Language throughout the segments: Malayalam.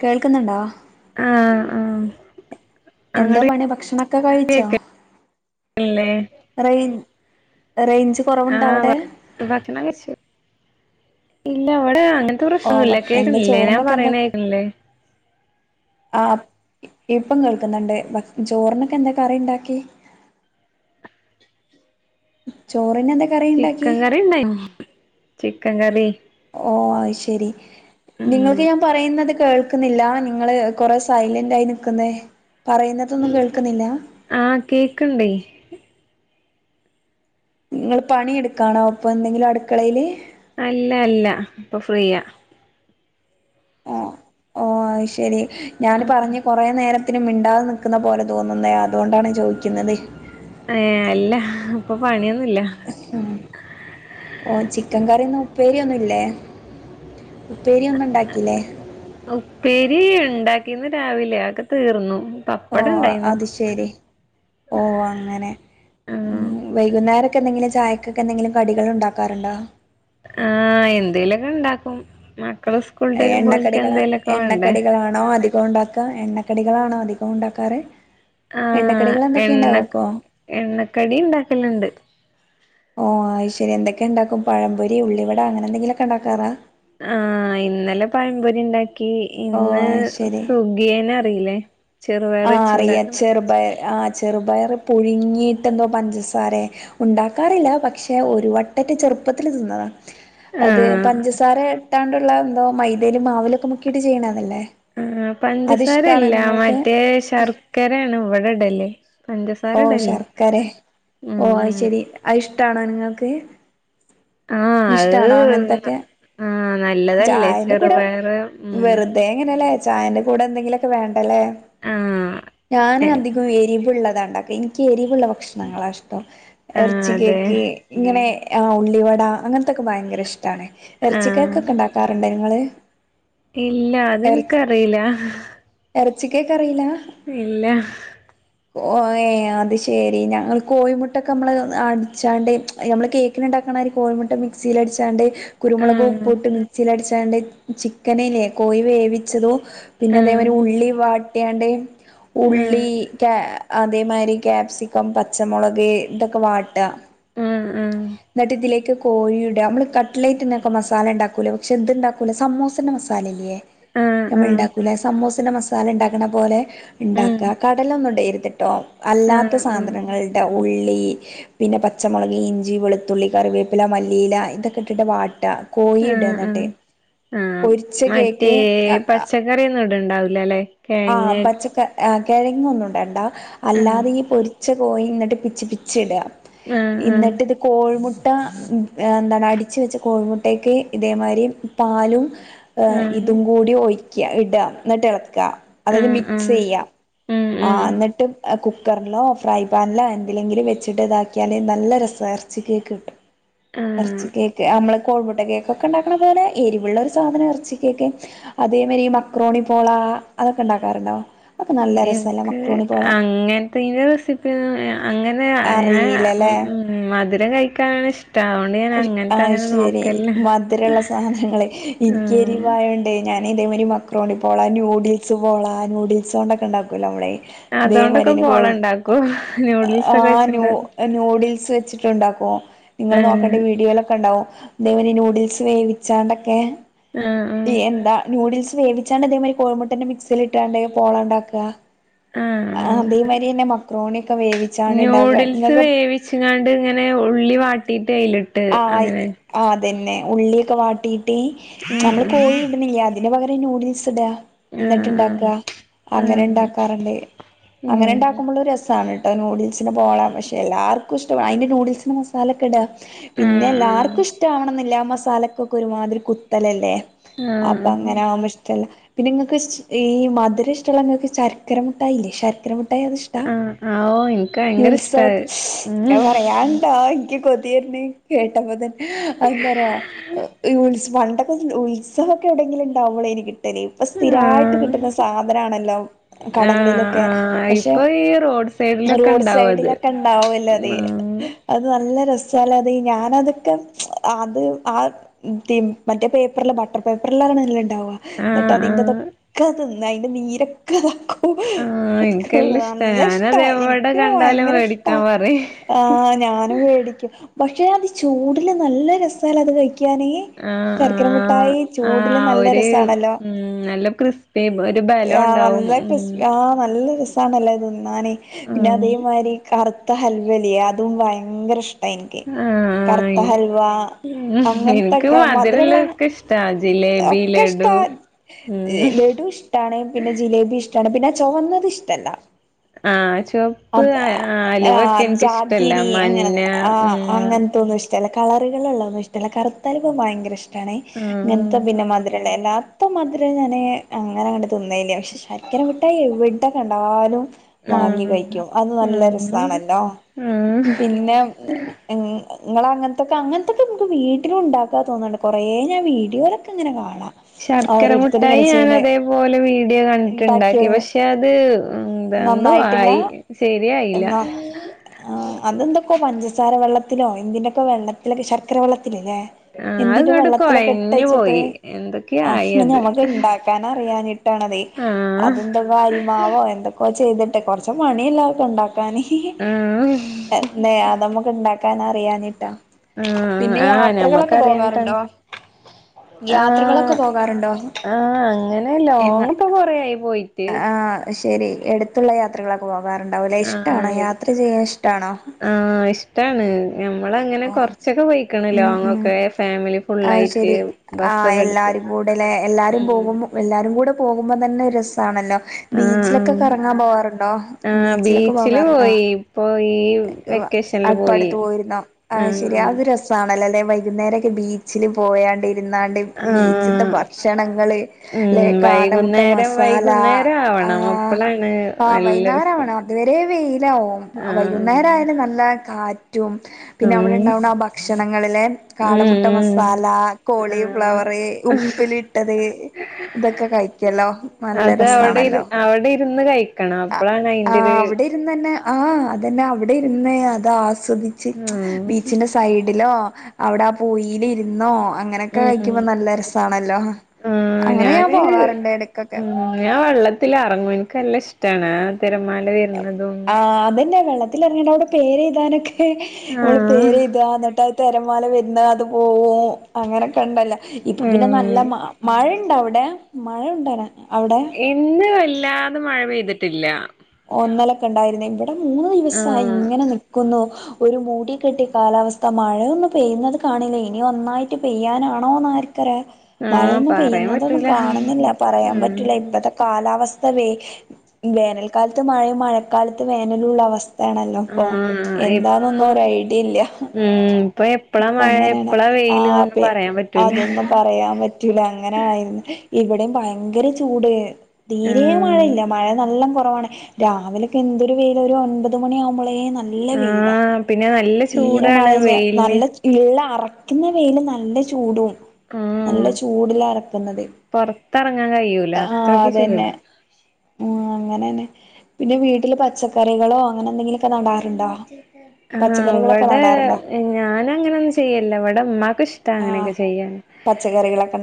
കേൾക്കന്നണ്ടോ ആഹ് ആഹ് എന്താ അങ്ങട് പണി ഭക്ഷണൊക്കെ കഴിച്ചോ കേക്കല്ലേ റേഞ്ച് റേഞ്ച് കൊറവ്ണ്ടോ അവിടെ അ ആഹ് ഭക്ഷണം കഴിച്ചു ഇല്ല അവടെ അങ്ങ അങ്ങത്തെ പ്രശ്നൊമില്ലാ എന്താ കേക്കണില്ലേ ഞാൻ ചോറിനൊക്കെ എന്താ പറയണേ കേക്കാണില്ലേ? ആ ഇപ്പം കേൾക്ക്ന്നണ്ട് ചോറിനൊക്കെ എന്തൊ കറി ഇണ്ടാക്കി ചോ ചിക്കൻ കറി ഒണ്ടായിനി ചിക്കൻ കറി ശെരി നിങ്ങൾക്ക് ഉം ഞാൻ പറയ്ന്നത് കേൾ ക്കുന്നില്ല നിങ്ങള് കൊറെ സൈലന്റ് ആയി നിക്കുന്നേ പറയുന്നതൊന്നും കേൾക്കുന്നില്ല. ആഹ് കേക്കണ്ടേ ങ്ങള് പണിയെടുക്കാണോ പ്പൊ എന്തെങ്കിലു അട്ക്കളേല് അല്ല അല്ല ഇപ്പൊ ഫ്രീയാ അ ആ ശരി ഞാന് പറഞ്ഞ് കൊറേ നേരം ത്തിനും മിണ്ടാതെ നിക്കുന്ന പോലെ തോന്നുന്നേ അതു ഒണ്ടാണ് ചോദിക്കുന്നതെ ഏ അല്ല പ്പൊ പണിയൊ ഇല്ല ഓ ചിക്കൻ കറി ന്ന് ഉപ്പേരി ഒന്നുല്ലേ ഉപ്പേരി ണ്ടാ ഇന്ന് രാവിലെ അക്കെ തീർന്നു. ഓ പപ്പടം ഉണ്ടായിന്നു അത് ശരി ഓ അങ്ങനെ ആഹ് ഉം വൈകുന്നേര ക്കെന്തെകിലും ചായക്കൊക്കെന്തെങ്കിലും കടികൾ ഉണ്ടാക്കാറുണ്ടോ ആ എന്തേലെക്കണ്ടാക്കും മ എണ്ണക്കടികള വേണ്ടേ എണ്ണക്കടികളാണോ അധി കോം ണ്ടാക്ക എണ്ണക്കടികളാണോ അധികോം ഉണ്ടാക്കാറ് ആ എണ്ണക്കടികൾ എന്തൊക്കെ എണ്ണക്ക് ഉണ്ടാക്കോ എണ്ണക്കടി ണ്ടാക്കല്ണ്ട് ആ ആയ്ശരി എന്തെക്കെണ്ടാക്കും പഴംപൊരി ഉള്ളിവട അങ്ങനെന്തെങ്കിലൊക്കെ ണ്ടാക്കാറാ ആ ഇന്നലെ പഴംപൊരി ണ്ടാ ക്കി ഓ ഇന്ന് അത് ശരി സുഗിയനക്കി അറീലെ ആ അറിയാ ചെറ്പയ് ആ ചെറ്പയറ് പുഴുങ്ങീട്ടെന്തോ പഞ്ചസാരെ ഉണ്ടാക്കാറീല പക്ഷെ ഒരു വട്ടറ്റെ ചെറ്പ്പത്തില് തിന്നതാ അതെ ആഹ് പഞ്ചസാരെ ട്ടാണ്ട്ല്ലെ ന്തോ മൈതേല് മാവിലൊക്കെ മുക്കീട്ട് ചെയ്യ്ണതല്ലേ ആ പഞ്ചസാരെല്ല മറ്റേ സ് ശർക്കരേണ് വടെ ടല് പഞ്ചസാര ഓ ഇടല്ല ശർക്കരെ ഉം ഉം ഷ്ടാണോ നിങ്ങക്ക് ആ അത് ആ നല്ലതല്ലേ ചായന്റെ ചെറുപയറ് ഉം ചായൻ്റെ കൂടെ ന്തെങ്കിലൊക്കെ വേണ്ടലെ ആഹ് ഞാൻ അധികോം എരിവ്ള്ളതാണ്ട എനിക്കൊരി രിള്ള ഭക്ഷണങ്ങള ഷ്ടം ആഹ് എർച്ചി അതെ കേക്ക് ഇങ്ങനെ ആ ഉള്ളിവട അങ്ങൻ ത്തൊക്കെ ഭയങ്കര ഇഷ്ടമാണ് ആഹ് ഇറച്ചിക്കക്കൊക്കെ ഉണ്ടാക്കാറുണ്ട് നിങ്ങള് ഇല്ല അത്നിക്കറിയില്ല ചിക്കൻ കറയില ഇല്ല ഓ ഏയ് അത് ശരി ഞങ്ങൾ കോഴിമുട്ടൊക്കെ നമ്മൾ അടിച്ചാണ്ട് നമ്മൾ കേക്കിന ഉണ്ടാക്കണര് കോഴിമുട്ട മിക്സിൽ അടിച്ചാണ്ട് കുരുമുളക് ആഹ് ഉപ്പിട്ട് മിക്സിൽ അടിച്ച് ചാണ്ട് ചിക്കനല്ലേ കോയി വേവിച്ചതോ പിന്നെ അതേമാരി ആഹ് ഉള്ളി വാട്ട ട്ടിയാണ്ട് ആഹ് ഉള്ളി ക അതേമാതിരി ക്യാപ്സിക്കം പച്ചമോളക് ഇതൊക്കെ വാട്ടാ ഉം ഉം കോഴിയുടെ നമ്മള് കട്ടലൈറ്റന്നൊക്കെ മസാല ണ്ടാക്കൂലേ ഷേ ഇതുണ്ടാക്കൂലേ സമോസന്റെ മസാലല്ല്യെ ആഹ് ആഹ് ഞമ്മള് ആഹ് ണ്ടാക്കുലെ സമോസിന്റെ മസ സല ണ്ടാക്കണ പോലെ ഉം ണ്ടാക്കാ കടലൊന്നുടെരു തിട്ടോ അല്ലാത്ത ആഹ് ഉം സാധനങ്ങള് ഇടവ് ഉള്ളി പിന്നെ പച്ചമോള ഉള്ളി, ഇഞ്ചി, വെളുത്തുള്ളി, കറിവേപ്പില മല്ലിയില ഇതൊക്കെ ഇട്ടിട്ട് വാട്ടാ ആ ആ ആ പൊരിച്ച മറ്റേ കേക്ക് പച്ചക്കറിയൊന്നും ഇ ണ്ടാ ണ്ടാവില്ലല്ലേ ആഹ് പച്ചക്ക ആ കേഴങ്ങൊന്നുംണ്ടേണ്ട ആഹ് അല്ലാതെ ഈ പൊരിച്ച പോയി എന്നിട്ട് പിച്ചി പിച്ചി ഇടുകാ ആഹ് എന്നിട്ട് ഇത് കോഴിമു ട്ടാ എന്താണ് അടിച്ച് വെച്ച കോഴിമുട്ടയ്ക്ക് ഇതേമാതിരി പാലും ആഹ് ആഹ് ഇതും കൂടി ഒയി ക്ക്യാ ഇടുക എന്നിട്ട് എളക്കാ അതായത് ആഹ് മിക്സ് ആഹ് ചെയ്യാ ഉം ആ ഉം എന്നിട്ട് കു ക്കറിലോ ഫ്രൈ പാനിലോ എന്തിലെങ്കിലും വെച്ചിട്ട് ഇതാക്കിയാലെ നല്ല രസാഎറച്ചിക്ക് കിട്ടും ആഹ് എറച്ചി കേക്ക് നമ്മള് കോഴിമുട്ട കേക്കൊക്കെ ഉണ്ടാക്കണതുപോലെ എരിവുള്ള ഒരു സാധനം ഇറച്ചി കേക്ക് അതേ മായിരി ഈ മക്രോണി പോളാ അതൊക്കെ ഉണ്ടാക്കാറുണ്ടോ എനിക്ക് മക്രോണി പോള അങ്ങനത്തെ ഇതിന്റെ റെസിപ്പി അങ്ങന അറിയില്ലല്ലേ [unintelligible] [unintelligible] കഴിക്കാനാണ് ഇഷ് ആഹ് ശരി മധുര ഉള്ള സാധനങ്ങളെ എനിക്ക് ആഹ് എരിവായണ്ടേ ഞാൻ ഞാൻ ഇതേ മാതിരി മക്രോണി പോള ന്യൂഡിൽസ് പോള ന്യൂഡിൽസ് കൊണ്ടൊക്കെ ഉണ്ടാക്കൂല്ലോ നമ്മടെ ഇതേ മാതിരി അതോണ്ടൊക്കെ തന്നെ പോ പോളണ്ടാക്കും ന്യൂഡിൽസ് ആ ഒക്കെ നു വെച്ചുണ്ടാക്കും ന്യൂഡിൽസ് വെച്ചിട്ടുണ്ടാക്കുവോ നിങ്ങൾ നോ ആഹ് [unintelligible] വീഡിയൊലോക്കെ ഉണ്ടാവും അതെ പോലെ ന്യൂഡിൽ സേവിച്ചാണ്ടൊക്കെ ആഹ് ആഹ് എന്താ നൂഡിൽസ് വേവിച്ചാണ്ട് അതേമാതിരി കോഴി മുട്ടാന്റെ മിക്സിലിട്ടാണ്ട് പോളണ്ടാക്ക. ആഹ് മക്രോണിയൊക്കെ വേവിച്ചാണ് ഉണ്ടാക്കുക ന്യൂഡിൽസ് നിങ്ങൾക്ക് വേവിച്ചങ്ങാൻണ്ട് ഇങ്ങനെ ഉള്ളി വാട്ടി ട്ടയിലിട്ട് അങ്ങനെ തന്നെ ഉള്ളിയൊക്കെ വാട്ടി ട്ടി നമ്മള് ഉം കോഴി ഇടുന്നില്ലേ അതി അതിനു പകരം നൂഡിൽസ് ഇട്ക. എന്നിട്ട് ഉം ഇണ്ടാക്കുക ആഹ് ആഹ് അങ്ങനെ ആഹ് ഇണ്ടാക്കാറുണ്ട്. അങ്ങനെ ഉം ഇണ്ടാക്കുമ്പോള് ഒരു രസാണ്. ട്ടോ നൂഡിൽസിന്റെ പോള പക്ഷെ എല്ലാവർക്കും ഇഷ്ടമാണ് അതിന്റെ നൂഡിൽസിന്റെ മസാലൊക്കെ ഇട്ക. പിന്നെ ആഹ് എല്ലാർക്കും ഇഷ്ടവണന്നില്ല മസ് തലക്കൊക്കെ ഒരുമാതിരി കുത്തലല്ലേ. ആഹ് ആഹ് അപ്പൊ അങ്ങനെ ആഹ് ആകുമ്പോ ഇഷ്ടല്ല. പിന്നെ നിങ്ങൾക്ക് ഈ മധുര ഇഷ്ടമുള്ള നിങ്ങൾക്ക് ശർക്കര മുട്ടായില്ലേ ശർക്കര മു ട്ടായി അത് ഇഷ്ടാ ആഹ് ആഹ് ഓഹ് ഇൻക്ക് ഈ ഭയങ്കര ഉത്സവ ഇഷ്ടാത് ഉം ഞാൻ പറയാണ്ടോ എനിക്ക് കൊ തീർന്ന്. കേട്ടാപ്പൊ തന്നെ അതെന്താന്നു അറിയോ ഇവ് പണ്ടക്കെ ഉൽസവൊക്കെ എവിടെങ്കിലുണ്ടാവുമ്പളെ എനിക് [unintelligible] ഇപ്പ സ്ഥിരമായിട്ട് ആഹ് കിട്ടുന്ന സാധനാണല്ലോ ആഹ് കടകളിലൊക്കെ ആഹ് പക്ഷെ ഇപ്പൊ ഈ റോഡ് സൈഡിലൊക്കെ റോഡ് ഇണ്ടാവും അത് സൈഡിലൊക്കെ ഉണ്ടാവുമല്ലോ അതെ ആഹ് അത് നല്ല രസ ചെല അത് ഞാന് അതൊക്കെ അത് ആ മറ്റേ പേപ്പറില് ബട്ടർ പേപ്പറിലാണ് ഉണ്ടാവുക എന്നിട്ട് ആഹ് ആഹ് അതിന്റെറതൊക്കെ അതിന്റെ നീരൊക്കെ ആഹ് എനിക്കെല്ലാം ഇഷ്ടാ നല്ല ഇഷ്ടാ ഞാനത് എവിടെ എനിക്കും കണ്ടാലും ഭയങ്കര ഇഷ്ടാ. മേടിക്കാൻ പറയും ആഹ് ഞാനും വേടിക്കും. പക്ഷെ അത് ചൂടില് നല്ല രസാല്ലേ അത് കഴിക്ക ക്കാന് ആഹ് ശർക്കര ആഹ് മുട്ടായി ചൂടില് ആഹ് നല്ല ഒരു രസാണല്ലോ ഉം നല്ല ക്രിസ്പി ഒരു ബലം ആ ഉണ്ടാവും നല്ല ആഹ് നല്ല രസ സാണല്ലെ ആണെയ് ഉം പിന്നതേമാരി കറ ത്ത ഹൽവല്ലിയെ അതും ഭയങ്കര ഇഷ്ട എനിക്ക്. ആഹ് ആഹ് കറുത്ത ഹൽവ ഉം എനിക്ക് അങ്ങനത്തൊക്കെ മധുരുള്ളാണ് മധുരള്ളതൊക്കെ ഇഷ്ടാ ജിലേബി ഒക്കെ ഇഷ്ട. ലഡു ഉം ലഡു ഇഷ്ടാണ്. പിന്നെ ജിലേബി ഇഷ് ഷ്ടാണ് പിന്നെ ചുവന്നത് ഇഷ്ടല്ല. ആ അത് ആഹ് എനിക്കിഷ്ടല്ല ജാഗിരി അങ്ങനെ മഞ്ഞ ആ ഉം അങ്ങൻത്തൊന്നുഷ് ടല്ല കളറുകള് ള്ളതൊന്നും ഇഷ്ടല്ല കറത്തല്വ ഭയങ്കര ഇഷ്ട. ട്ടാണ് ആഹ് ഇങ്ങൻത്തെ പിന്നെമാതിര്ള്ള എല്ലാ ത്ര മധുരം ഞാന് അങ്ങനെങ്ങട്ട് തിന്നലില്ല പക്ഷെ ശർക്കര മിഠായി എവിടെ കണ്ടാലും ആഹ് വാങ്ങികയ് അത് നല്ല ആഹ് രസാണല്ലോ ആഹ് പിന്നെ ഉം ങ്ങളങ്ങൻത്തൊക്കെ അങ്ങൻത്തൊക്കെ നമുക്ക് വീട്ടിലുംണ്ടാക്കാ തോന്നുന്നുണ്ട് കുറേ ഞാൻ വീഡിയോലൊക്കെങ്ങനെ കാണും ശർക്കര മുട്ടായി ഞാൻ അതേപോലെ വീഡിയോ കണ്ടിട്ടുണ്ടാക്കി ഇണ്ടാക്കിയത് പക്ഷെ അത് എന്തോ നന്നായിട്ടില്ല ആയി ശരിയായില്ല എന്നാ ആ അതെന്തൊക്കോ പഞ്ചസാര വെള്ളത്തിലോ എന്തിന്റൊക്കെ വെള്ളത്തിലൊക്കെ ശർക്കര വള്ള ആ എന്തിലോ അത്ങ്ങട്ട് വെള്ളത്തിലൊക്കെ കൊഴഞ്ഞു ഇട്ടച്ചിട്ട് പോയി എന്തൊക്കെയ ആയി അങ്ങനെ അത് നമ്മക്ക് ഇണ്ടാക്കൻ അറിയാഞ്ഞിട്ടാണ് ആഹ് അതെന്തൊക്ക അരിമാവോ എന്തൊക്കോ ചെയ്തിട്ട് കൊർച്ച് മ ണ്ടാക്ക ക്കാന് ആഹ് ന്നെ അതമക്ക് ഇണ്ട ക്കാൻ അറിയാഞ്ഞിട്ടാ ആ പിന്നെ ആഹ് ഞമ്മക്ക് യാത്രകളൊക്കെ അറിയാഞ്ഞിട്ടാണ് പോകാറുണ്ടോ ആഹ് യാത്രകളൊക്കെ പോകാറുണ്ടോ ആഹ് അങ്ങനെ എങ്ങ ലോങ്ങ്പ്പൊ കൊറേയായി പോയിട്ട് ശരി എടുത്തുള്ള യാത്രകളൊക് പോവാറുണ്ടാവൂലേ ഇഷ്ടണോ ആഹ് യാത്ര ചെയ്യാൻ ഇഷ്ടാണോ ആഹ് ഇഷ്ടാണ് ഞമ്മളങ്ങനെ കൊർച്ചൊക്കെ പൊയ്ക് ആത് ശെരി, ആ എല്ലാരും കൂടെലേ എല്ലാരും ഉം പോകുമ്പോ എല്ലാരും കൂടെ പോകുമ്പോ തന്നെ ഒരു രസാണല്ലോ ബീച്ചിലൊക്കെ ആഹ് കറങ്ങാൻ പോവാറുണ്ടോ? ആഹ് ബീച്ചിലൊക്കെ ബീച്ചില് പോകാറുണ്ടോ? പോയി ഇപ്പൊ ഈ വെക്കേഷനില് പോയി അപ്പടുത്ത് പോയിരുന്നോ? ആഹ് ശെരി അത് രസാണല്ലോലേ വൈകി കുന്നേരൊക്കെ ബീ ച്ചില് പോയാണ്ട് രുന്നാണ്ട് ആഹ് ബീച്ച്ത്തെ ആഹ് ഭക്ഷണങ്ങള് ഉം ല്ലെ കാടമുട്ട വൈകുന്നേരം മസാല, വൈകുന്നേരം ആ ആവണം അപ്പളാണ് ആ നല്ല രസം വൈന്നാരാവണം അതുവരേ വെയിലാവും ആഹ് വൈകുന്നേരം ആയാല് നല്ല കാ റ്റും പിന്നെ ഉം അവിടെണ്ടാവണ ആ ഭക്ഷണങ്ങള് ലെ ഉം കാട മു മുട്ട ഉം മസാല കോളി ആഹ് ഫ്ലവറ് ഉപ്പിലിട്ടത് ഇതൊക്കെ കഴിക്കല്ലോ നല്ല അത് അവിടെ ഇരു രസാണല്ലോ അവിടെ ഇരുന്ന് കഴിക്കണം അപ്പളാണ് ആ അയിന്റൊരു അവിടെ ഇരുന്നന്നെ ആ അതന്നെ അവിടെ പിന്നെ അതാ ആസ്വദിച്ച് ആഹ് ബീച്ചിന്റെ സൈഡിലോ അവിടാ പൂയിലിരുന്നോ അങ്ങനെയൊക്കെ ഉം കഴിക്കുമ്പോ നല്ല രസാണല്ലോ, ആഹ് അങ്ങനെ ഞാൻ ഞാന് പോവാറുണ്ട് എടക്കൊക്കെ ത്തില് ഇറങ്ങും എനിക്ക് നല്ല ഇഷ്ടാണ്. തിരമാല വെര്ന്ന്ണ്ടോന്ന്ണ് അതിലറങ്ങനൊരുടെ പേരെഴുതാനൊക്കെ നമ്മള് ആഹ് പേര് എഴുതാ എന്നിട്ടാ തെരമാല വരുന്ന അത് പോവും അങ്ങനൊക്കെണ്ട്ല്ല ഇപ്പൊ പിന്നെ നല്ല ഉം മഴ ണ്ട അവിടെ മഴ ഉണ്ടനെ ഇന്ന് വല്ലാതെ മഴ പെയ്തിട്ട് ട്ടില്ല ഇന്നലക്കൊ ഉണ്ടായിരുന്നി മൂന്ന് ദിവസായി ആഹ് ഇങ്ങനെ നിക്കുന്നു ഒരു മൂടിക്കെട്ടിയ കാലാവസ്ഥ മഴയൊന്നും പെയ്യുന്നത് കാണില്ല ഇനി ഒന്നായിട്ട് പെയ്യാനാണോ എന്ന് ആര് ആഹ് മഴയൊന്നും പറയാൻ പെയ്യുന്നതൊന്നും പറ്റൂല കാണുന്നില്ല പറയാൻ പറ്റൂല്ല ഉം ഇപ്പത്തെ കാലാവസ്ഥ വേ വേനൽ ക്കാലത്ത് മഴയും മഴക്കാലത്ത് വേനലുള്ള അവസ്ഥ താണല്ലോ അപ്പൊ ആഹ് എന്താന്നൊന്നും ഇപ്പൊ ഒരു ഐഡിയ ഇല്ല ഉം ഇപ്പൊ എപ്പളാ ഇപ്പൊ മഴ അങ്ങനാണ് എപ്പളാ ആ വെയില്ന്നൊന്നും പ്പേ പറയാൻ പറ്റൂല അതൊന്നും പറയാൻ പറ്റൂല അങ്ങനെയായിര് ഇവിടെയും ഭയങ്കര ചൂട് തീരെ ആഹ് മഴയില്ല മഴ നല്ലം കൊ [unintelligible] രാവിലെക്കെ എന്തൊരു വെയിലാ ഒരു ഒമ്പത് മണി മ്പളെ നല്ല വെയിലാ ആഹ് പിന്നെ നല്ല തീരെ ചൂടാണ് മഴയില്ല വെയിലിന് നല്ല ഇള്ള അറ ഇന്ന് വെയിലിന് നല്ല ചൂടും ആഹ് നല്ല ചൂടിലാ ഇറക്കുന്നത് പൊറത്തെറങ്ങാൻ കഴിയൂല ആ അത്രക്ക് അതന്നെ ചൂടാ ഉം അങ്ങനെന്നെ പിന്നെ വീട്ടില് പച്ചക്കറികളോ അങ്ങനെ എന്തെങ്കിലൊക്കെ നടാറുണ്ടോ ആ പച്ചക്കറികളൊക്കെ അവിടെ നടാറുണ്ടോ ഞാൻ അങ്ങനൊന്നും ചെയ്യില്ല ഇവിടെ ഉമ്മാക്ക് ഇഷ്ടാ ആഹ് അങ്ങനെയൊക്കെ ചെയ്യാൻ പച്ചക്കറികളൊക്കെ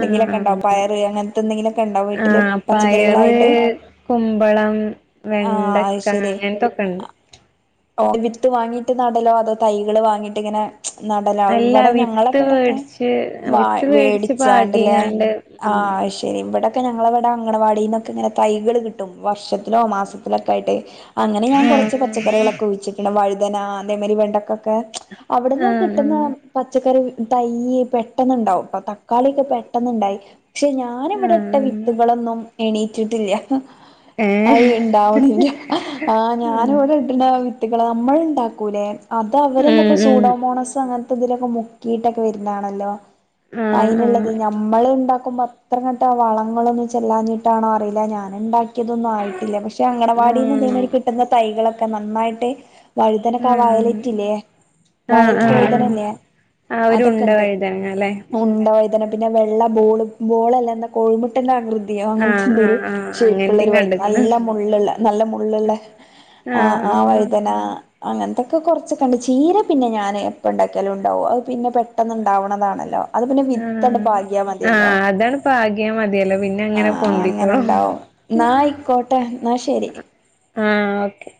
ആ എന്തെങ്കി ആ പയറ് കുമ്പളം ആഹ് വെണ്ടക്ക അയ്ശരി അങ്ങന ഓ വിത്ത് വാങ്ങീട്ട് നടലോ അതോ തൈകള് വാങ്ങിട്ടിങ്ങനെ നടലാവും അല്ല ഇവിടെ വിത്ത് ഞങ്ങളവിടൊക്കെ വേടിച്ച് വ വിത്ത് വേടിച്ച് വേടിച്ചാണ്ടല്ലേ പാകിങ്ങാണ്ട് ആ ഉം ശരി ഇവിടെ ക്കെ ഞങ്ങളവിടെ അംഗണവാടിന്നൊക്കെ ഇങ്ങനെ തൈകൾ കിട്ടും വർഷത്തിലോ മാസത്തിലൊക്കെ ആയിട്ട് അങ്ങനെ ഞാൻ കുറച്ച് ആഹ് പച്ചക്കറികളൊ പിന്നെ വഴുതന അതേ മരി വെണ്ടക്കൊക്കെ അവിടുന്ന് കിട്ടുന്ന ആഹ് പച്ചക്കറി തൈ പെട്ടെന്നുണ്ടാവുംട്ടൊ തക്കാളിയൊക്കെ പെട്ടെന്നുണ്ടായി പക്ഷെ ഞാന് ഇവിടിട്ട ആഹ് വിത്തുകളൊന്നും എണീറ്റിട്ടില്ല ഏഹ് അത് ഇണ്ടാവണില്ല ആ ഉം ഞാനിവിടെ ഇട്ടണ്ട കള നമ്മള് ഉണ്ടാക്കൂലേ അത് അവരെന്തൊക്കെ ഉം സൂഡോമോണസ് അങ്ങനെ ഇതിലൊക്കെ മുക്കിയിട്ടൊക്കെ വരുന്നാണല്ലോ ആഹ് അയിനുള്ളത് ആഹ് ഞമ്മള് ഉണ്ടാ പം അത്രങ്ങട്ട് വളങ്ങളൊന്നും ചെല്ലാഞ്ഞിട്ടാണോ അറിയില്ല ഞാന് ഉണ്ടാക്ക എനിക്കിതൊന്നും ആയിട്ടില്ല പക്ഷെ അങ്കണവാടിന്ന് ആഹ് ഇതേമാരി കിട്ടുന്ന തൈകളൊക്കെ നന്നായി [unintelligible] വഴുതനക്ക ആ ആഹ് വയലറ്റ് ഇല്ലേ ആഹ് ആഹ് വയലറ്റ് ആഹ് വൈതനല്ലേ ആഹ് ഒരു അതൊക്കെ ഉണ്ട ഇണ്ട് വഴുതനങ്ങ ല്ലേ ഉണ്ട വൈതന പിന്നെ വെള്ള ബോൾ ബോൾ അല്ല കോഴിമുട്ടെന്റെ ആകൃതി അങ്ങനത്തെ ആഹ് എന്തോ ഒരു ആഹ് ആഹ് ഷേപ്പ് ഉള്ള അങ്ങനത്തിം ഒരു വൈ കണ്ട്ക്ക്ണ് നല്ല മുള്ള്ള്ള നല്ല മുള്ള്ള്ള ആ ആഹ് ആ വ ആഹ് അ അങ്ങൻത്തൊക്കെ കൊർച്ചൊക്കെ ഇണ്ട്. ചീര പിന്നെ ഞാൻ എപ്പ ഇണ്ടാക്കിയാലും ഇണ്ടാവും അഹ് പിന്നെ പെട്ടന്ന് ഇണ്ടാവ്ണെത് ആണല്ലോ അത് പിന്നെ വിത്ത് ങ്ങട്ട് ആഹ് പാകിയ മതിയല്ലോ ആഹ് അതാണ് പാകിയാ മതിയല്ലോ പിന്നെ അ അങ്ങനെ ആ പൊന്തിക്കോളും അങ്ങനെയുണ്ടാവും ന്നായിക്കോട്ടെ ന്നാ ശരി ആ ഓക്കെ